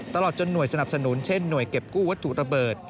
ตลอดจนหน่วยสนับสนุนเช่นหน่วยเก็บกู้วัตถุระเบิด